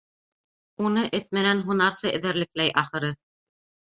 Уны эт менән һунарсы эҙәрлекләй, ахыры.